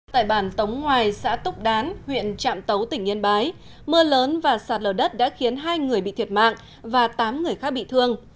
tại bản tống ngoài xã túc đán huyện trạm tấu tỉnh yên bái mưa lớn và sạt lở đất đã khiến hai người bị thiệt mạng và tám người khác bị thương